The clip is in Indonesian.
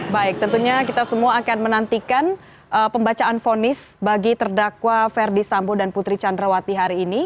baik tentunya kita semua akan menantikan pembacaan fonis bagi terdakwa ferdi sambo dan putri candrawati hari ini